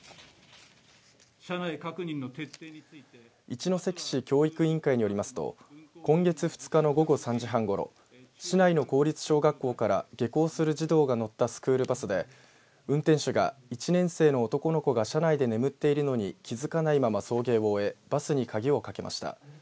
一関市教育委員会によりますと今月２日の午後３時半ごろ市内の公立小学校から下校する児童が乗ったスクールバスで運転手が１年生の男の子が車内で眠っているのに気付かないまま送迎を終えバスに鍵をかけました。